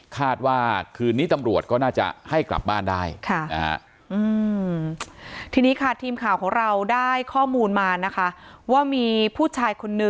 คาดว่าคืนนี้ตำรวจก็น่าจะ